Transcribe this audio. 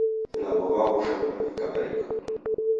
Vilambo vaoghoshwa vimu vikabarika